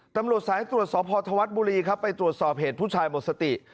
ตำรวจสายตรวจสอบพธวัฒน์บุรีครับไปตรวจสอบเหตุผู้ชายหมดสติ